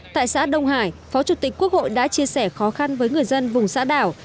tại xã đông hải phó chủ tịch quốc hội đã chia sẻ khó khăn với người dân vùng xã đảo